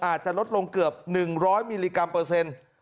อาจจะลดลงเกือบ๑๐๐มิลลิกรัมเปอร์เซ็นต์